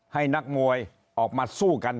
นักมวยออกมาสู้กัน